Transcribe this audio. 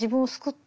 って